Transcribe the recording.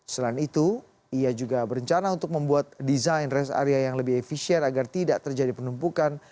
selain itu ia juga berencana untuk membuat desain rest area yang lebih efisien agar tidak terjadi penumpukan